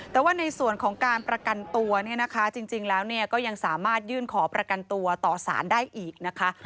แต่ว่าในส่วนของการประกันตัวเนี่ยนะคะจริงแล้วก็ยังสามารถยื่นขอประกันตัวต่อสารได้อีกนะคะ